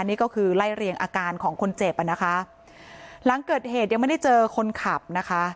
นี่ก็คือไล่เรียงอาการของคนเจ็บอ่ะนะคะหลังเกิดเหตุยังไม่ได้เจอคนขับนะคะ